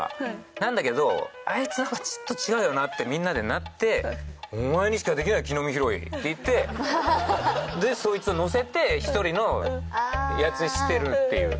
なんだけどあいつなんかちょっと違うよなってみんなでなってお前にしかできない木の実拾い！って言ってでそいつをのせて１人のやつにしてるっていう。